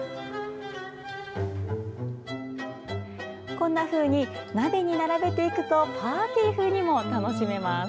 こんなふうに鍋に並べていくとパーティー風にも楽しめます。